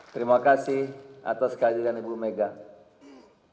terima kasih atas hadirannya ibu megawati